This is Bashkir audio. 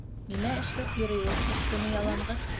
Нимә эшләп йөрөй ул ҡыш көнө яланғас?